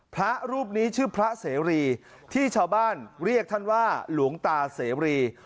พระรูปนี้ชื่อพระเสรีที่ชาวบ้านเรียกท่านว่าหลวงตาเสรี